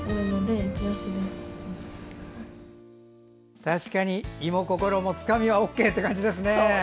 確かに胃も心もつかみはＯＫという感じですね。